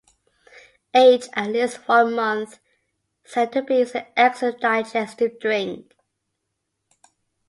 Aged at least one month, Centerbe is an excellent digestive drink.